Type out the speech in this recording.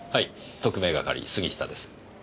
特命係杉下です。